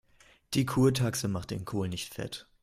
Die Kurtaxe macht den Kohl nicht fett.